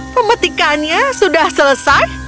pemetikannya sudah selesai